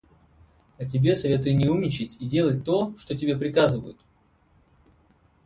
А тебе советую не умничать и делать то, что тебе приказывают».